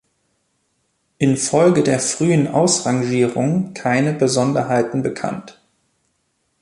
Infolge der frühen Ausrangierung keine Besonderheiten bekannt.